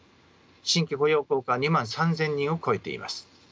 新規雇用効果は２万３，０００人を超えています。